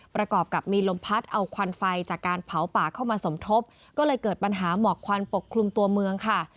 ประกอบกับมีลมพัดเอาควันไฟจากการเผาป่าเข้ามาสมทบก็เลยเกิดปัญหาหมอกควันปกคลุมตัวเมืองค่ะ